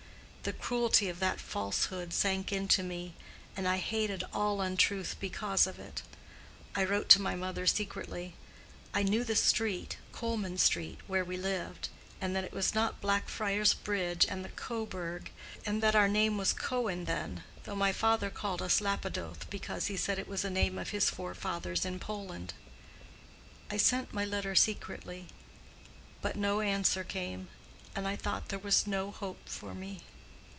The cruelty of that falsehood sank into me, and I hated all untruth because of it. I wrote to my mother secretly: I knew the street, Colman Street, where we lived, and that it was not Blackfriars Bridge and the Coburg, and that our name was Cohen then, though my father called us Lapidoth, because, he said, it was a name of his forefathers in Poland. I sent my letter secretly; but no answer came, and I thought there was no hope for me.